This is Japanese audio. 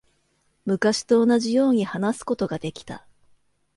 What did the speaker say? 昔と同じように話すことができた。